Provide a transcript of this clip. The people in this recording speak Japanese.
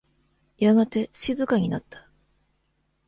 やがて静かになった。